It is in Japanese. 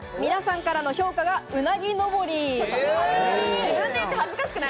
皆さんからの評価がうなぎのぼり。